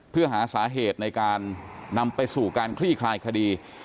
เพื่อหาสาเหตุในการนำไปสู่การคลี่คลายคดี